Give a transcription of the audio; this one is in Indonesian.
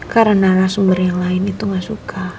karena narasumber yang lain itu nggak suka